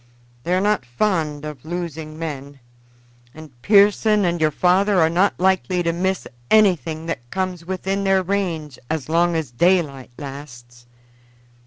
They are not fond of losing men, and Pearson and your father are not likely to miss anything that comes within their range as long as daylight lasts."